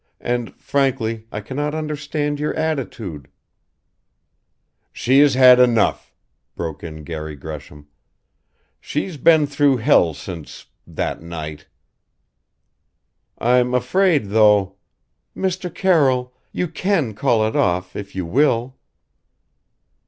And, frankly, I cannot understand your attitude " "She has had enough " broke in Garry Gresham. "She's been through hell since that night." "I'm afraid, though " "Mr. Carroll you can call it off, if you will."